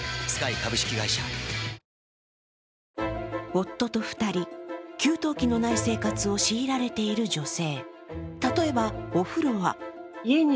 夫と２人、給湯器のない生活を強いられている女性。